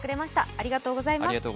ありがとうございます。